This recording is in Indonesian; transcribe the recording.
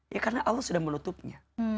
ya karena allah sudah menutupnya